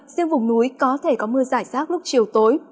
riêng vùng núi có thể có mưa giải rác lúc chiều tối